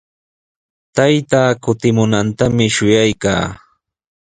Taytaa kutimunantami shuyaykaa.